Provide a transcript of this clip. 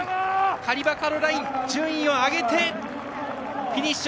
カリバ・カロライン順位を上げてフィニッシュ。